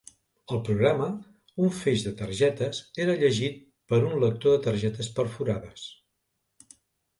El programa, un feix de targetes, era llegit per un lector de targetes perforades.